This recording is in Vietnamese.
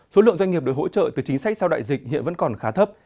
số lượng doanh nghiệp được hỗ trợ từ chính sách sau đại dịch hiện vẫn còn khá thấp